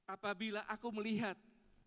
apabila aku melihat